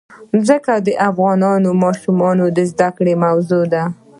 ځمکه د افغان ماشومانو د زده کړې موضوع ده.